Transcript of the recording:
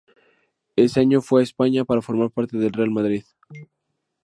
Ese año se fue a España para formar parte del Real Madrid.